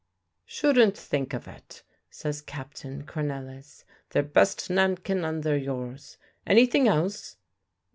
"Shouldn't think of it," says Captain Cornelisz; "they're best Nankin, and they're yours. Anything else?"